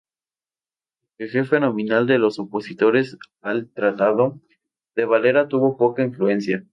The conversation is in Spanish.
Aunque jefe nominal de los opositores al Tratado, De Valera tuvo poca influencia.